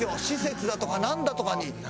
施設だとかなんだとかに。